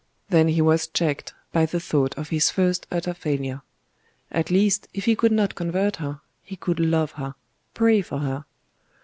Then he was checked by the thought of his first utter failure.... At least, if he could not convert her, he could love her, pray for her....